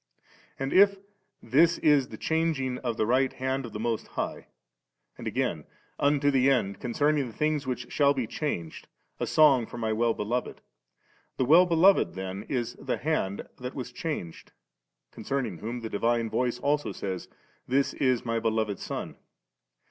And if 'this is the changing of the Right Hand of the Most Highest,' and again, * Unto the end, concerning the things that shall be changed, a song for My Well beloved 9 ;' the Well beloved then is the Hand that was changed ; concerning whom the Divine Voice also says, 'This is My Beloved Son.'